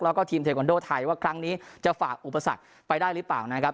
แล้วก็ทีมเทควันโดไทยว่าครั้งนี้จะฝากอุปสรรคไปได้หรือเปล่านะครับ